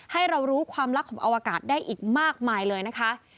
ให้เรารู้ความลับของอวกาศได้อีกมากมายเลยนะคะ